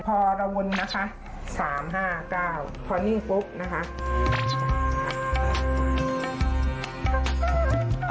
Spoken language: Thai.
พอเราวนนะคะ๓๕๙พอนิ่งปุ๊บนะคะ